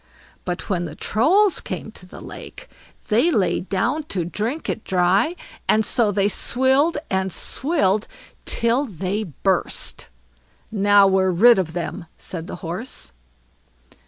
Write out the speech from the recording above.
But when the Trolls came to the lake, they lay down to drink it dry; and so they swilled and swilled till they burst. "Now we're rid of them", said the Horse.